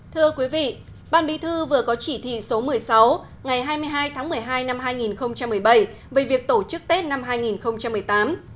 thưa quý vị ban bí thư vừa có chỉ thị số một mươi sáu ngày hai mươi hai tháng một mươi hai năm hai nghìn một mươi bảy về việc tổ chức tết năm hai nghìn một mươi tám